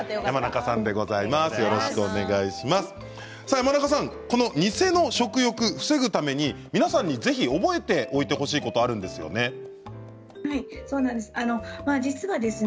山中さん、偽の食欲を防ぐために皆さんにぜひ覚えておいてほしいことがあるんですよね。